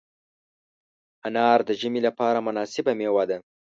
انار د ژمي لپاره مناسبه مېوه ده.